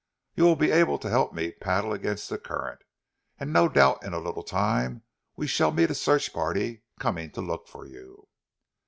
You will be able to help me to paddle against the current, and no doubt in a little time we shall meet a search party coming to look for you."